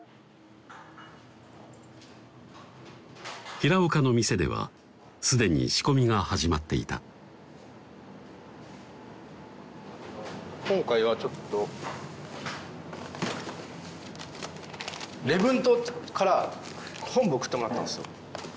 平岡の店では既に仕込みが始まっていた今回はちょっと礼文島から昆布送ってもらったんすよ